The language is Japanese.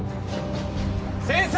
先生！